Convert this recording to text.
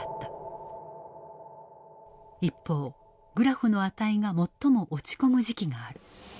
一方グラフの値が最も落ち込む時期がある。